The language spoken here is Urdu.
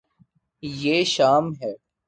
یے شام ہے